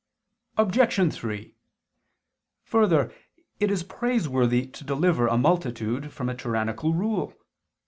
Obj. 3: Further, it is praiseworthy to deliver a multitude from a tyrannical rule.